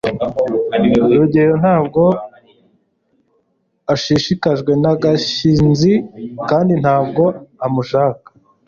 rugeyo ntabwo ashishikajwe na gashinzi kandi ntabwo amushaka